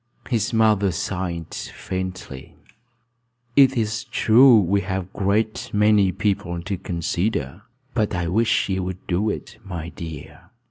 His mother sighed faintly. "It is true we have a great many people to consider; but I wish you would do it, my dear."